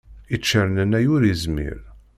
Iččernennay ur izmir.